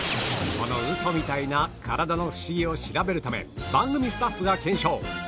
このウソみたいな体のフシギを調べるため番組スタッフが検証